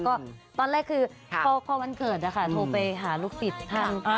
ก็ตอนแรกคือพอวันเกิดนะคะโทรไปหาลูกศิษย์ท่าน